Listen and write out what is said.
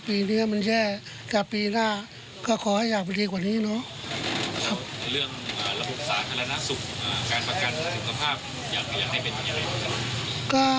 ปีนี้มันแย่แต่ปีหน้าก็ขอให้อยากเป็นดีกว่านี้เนอะเรื่องระบบสารธรรมนาสุขอ่า